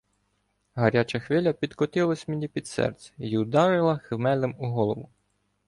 Гаряча хвиля підкотилася мені під серце й ударила хмелем у голову.